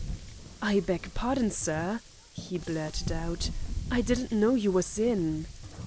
"I beg pardon, sir," he blurted out, "I didn't know you was in."